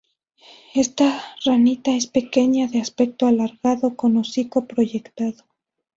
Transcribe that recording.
Esta ranita es pequeña de aspecto alargado con hocico proyectado.